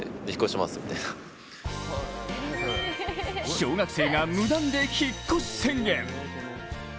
小学生が無断で引っ越し宣言。